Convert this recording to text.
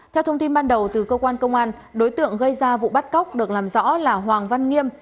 theo thông tin ban đầu từ cơ quan công an đối tượng gây ra vụ bắt cóc được làm rõ là hoàng văn nghiêm